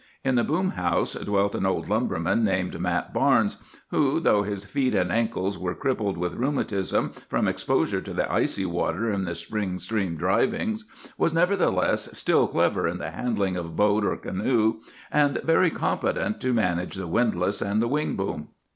In the boom house dwelt an old lumberman named Mat Barnes, who, though his feet and ankles were crippled with rheumatism from exposure to the icy water in the spring stream drivings, was, nevertheless, still clever in the handling of boat or canoe, and very competent to manage the windlass and the wing boom.